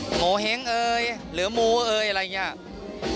โหมเห้งเอ๋ยเหลือมู๋เอ๋ยอะไรอย่างนี้